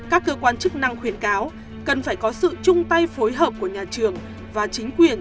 các cơ quan chức năng khuyến cáo cần phải có sự chung tay phối hợp của nhà trường và chính quyền